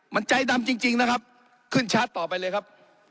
มันใจดำจริงนะครับขึ้นชาร์จต่อไปเลยครับ